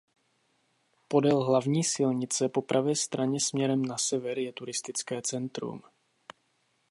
Podél hlavní silnice po pravé straně směrem na sever je turistické centrum.